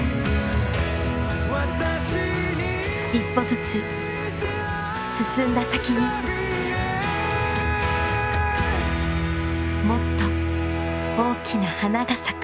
一歩ずつ進んだ先にもっと大きな花が咲く。